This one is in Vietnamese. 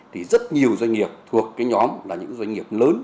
thì rất nhiều doanh nghiệp thuộc cái nhóm là những doanh nghiệp lớn